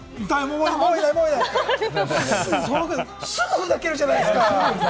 すぐ、ふざけるじゃないですか。